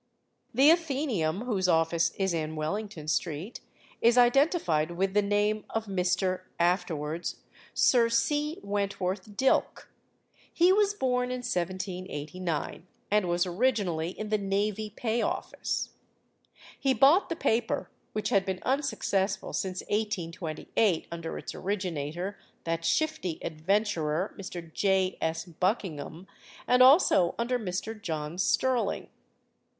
The Athenæum, whose office is in Wellington Street, is identified with the name of Mr. (afterwards) Sir C. Wentworth Dilke. He was born in 1789, and was originally in the Navy Pay Office. He bought the paper, which had been unsuccessful since 1828 under its originator, that shifty adventurer, Mr. J. S. Buckingham, and also under Mr. John Sterling.